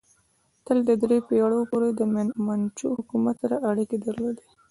تر دریو پیړیو پورې د منچو حکومت سره اړیکې درلودې.